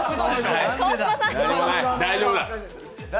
大丈夫だ。